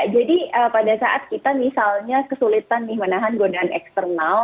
jadi pada saat kita misalnya kesulitan nih menahan godaan eksternal